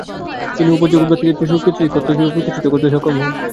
তিনি উপযোগবাদকে একটি শক্তিশালী তত্ত্ব হিসেবে প্রতিষ্ঠিত করতে সক্ষম হন।